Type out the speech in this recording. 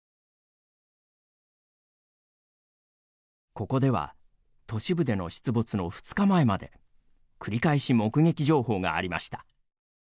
ここでは都市部での出没の２日前まで繰り返し目撃情報がありました。